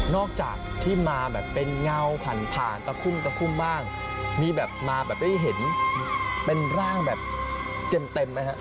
นอกจากที่มาแบบเป็นเงาผ่านตะคุ่มบ้างมีแบบมาแบบไม่เห็นเป็นร่างแบบเจ็มมั้ยฮะ